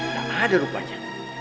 tak ada rupanya